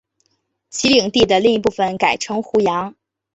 其领地的另一部分改称湖阳。